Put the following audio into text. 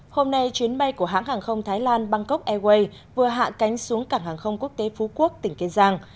hôm nay chuyến bay của hãng hàng không thái lan bangkok airways vừa hạ cánh xuống cảng hàng không quốc tế phú quốc tỉnh kiên giang